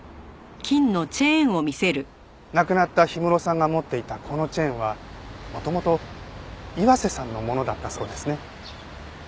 亡くなった氷室さんが持っていたこのチェーンは元々岩瀬さんのものだったそうですね。